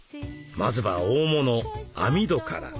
まずは大物網戸から。